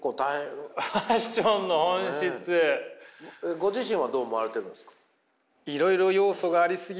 ご自身はどう思われてるんですか？